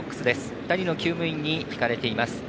２人のきゅう務員に引かれています。